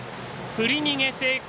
振り逃げ成功。